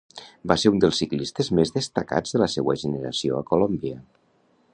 Va ser un dels ciclistes més destacats de la seua generació a Colòmbia.